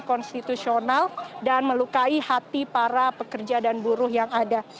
konstitusional dan melukai hati para pekerja dan buruh yang ada